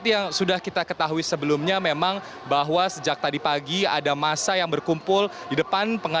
ya selamat siang